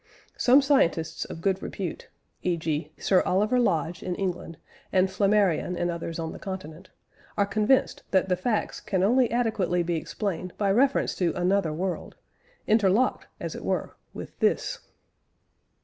Some scientists of good repute (e.g. Sir Oliver Lodge, in England, and Flammarion and others on the Continent) are convinced that the facts can only adequately be explained by reference to another world interlocked, as it were, with this.